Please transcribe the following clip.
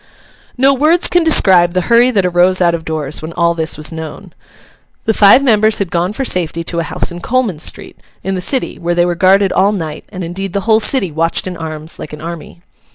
No words can describe the hurry that arose out of doors when all this was known. The five members had gone for safety to a house in Coleman street, in the City, where they were guarded all night; and indeed the whole city watched in arms like an army.